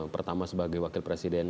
pertama sebagai wakil presiden